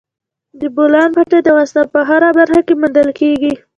د بولان پټي د افغانستان په هره برخه کې موندل کېږي.